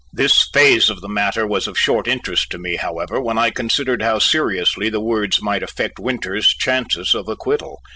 This phase of the matter was of short interest to me, however, when I considered how seriously the words might affect Winters's chances of acquittal.